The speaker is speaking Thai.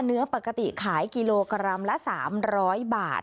เนื้อปกติขายกิโลกรัมละ๓๐๐บาท